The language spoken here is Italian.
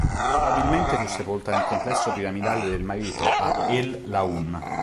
Probabilmente fu sepolta nel complesso piramidale del marito, a El-Lahun.